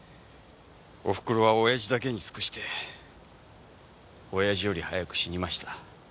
おふくろは親父だけに尽くして親父より早く死にました。